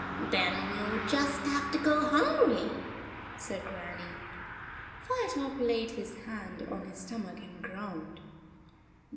"Then we ll just have to go hungry," said Grannie. Firetop laid his hand on his stomach and groaned.